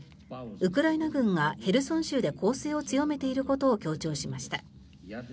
ウクライナ軍がヘルソン州で攻勢を強めていることを強調しました。